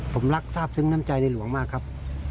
ผมรักทราบซึ้งน้ำใจในหลวงมากครับ